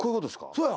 そうや。